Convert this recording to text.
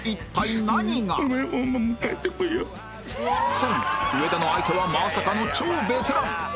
更に上田の相手はまさかの超ベテラン